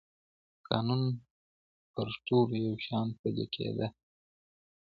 قانون پر ټولو یو شان پلی کیده.